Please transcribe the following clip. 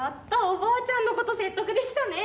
おばあちゃんのこと説得できたね！